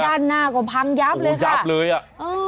ด้านหน้าก็พังย้าบเลยค่ะโอ้โหย้าบเลยอ่ะ